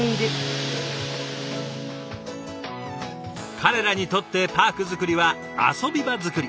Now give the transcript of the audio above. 彼らにとってパーク作りは遊び場作り。